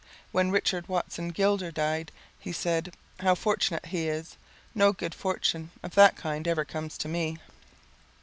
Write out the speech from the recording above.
When Richard Watson Gilder died, he said: "How fortunate he is. No good fortune of that kind ever comes to me."